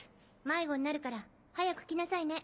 迷子になるから早く来なさいね。